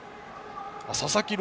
佐々木朗